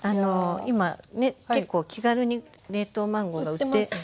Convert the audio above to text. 今ね結構気軽に冷凍マンゴーが売ってるのでね